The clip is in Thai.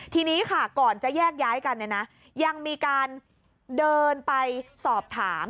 ทีนี้ค่ะก่อนจะแยกย้ายกันเนี่ยนะยังมีการเดินไปสอบถาม